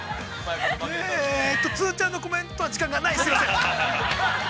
◆津ぅちゃんのコメントは、時間がない、すみません。